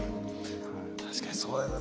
確かにそうだよな。